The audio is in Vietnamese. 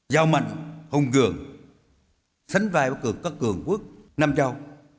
giàu mạnh hùng cường sánh vai bất cứ các cường quốc nam châu